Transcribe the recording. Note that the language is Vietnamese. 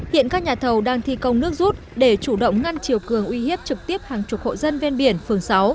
hiện các nhà thầu đang thi công nước rút để chủ động ngăn chiều cường uy hiếp trực tiếp hàng chục hộ dân ven biển phường sáu